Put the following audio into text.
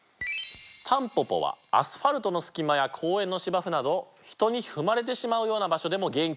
タンポポはアスファルトの隙間や公園の芝生など人に踏まれてしまうような場所でも元気に育ちます。